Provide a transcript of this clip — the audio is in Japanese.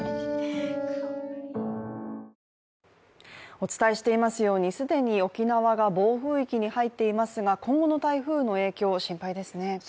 お伝えしていますように、既に沖縄が暴風域に入っていますが今後の台風の影響、心配ですね。